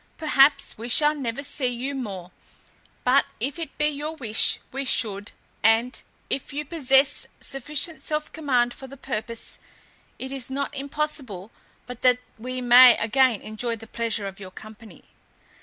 Perhaps we shall never see you more; but if it be your wish we should, and if you possess sufficient self command for the purpose, it is not impossible but that we may again enjoy the pleasure of your company."